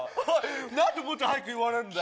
何でもっと早く言わねえんだよ